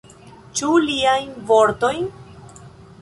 Ĉu liajn vortojn?